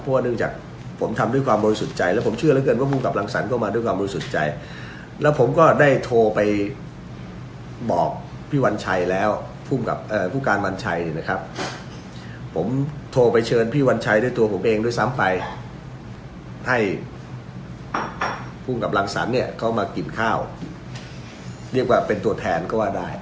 เพราะว่าเนื่องจากผมทำด้วยความบริสุทธิ์ใจแล้วผมเชื่อเหลือเกินว่าภูมิกับรังสรรค์ก็มาด้วยความบริสุทธิ์ใจแล้วผมก็ได้โทรไปบอกพี่วันชัยแล้วภูมิกับผู้การวัญชัยเนี่ยนะครับผมโทรไปเชิญพี่วัญชัยด้วยตัวผมเองด้วยซ้ำไปให้ภูมิกับรังสรรคเนี่ยเขามากินข้าวเรียกว่าเป็นตัวแทนก็ว่าได้